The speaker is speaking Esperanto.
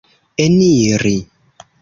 eniri